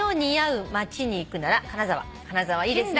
「金沢」いいですね。